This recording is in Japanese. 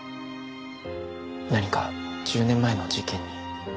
何か１０年前の事件に。